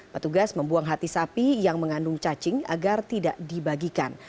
petugas membuang hati sapi yang mengandung cacing agar tidak dibagikan